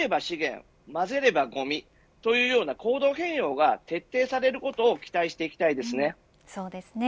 分ければ資源、まぜればごみという行動変容が徹底されることを期待していきたいです。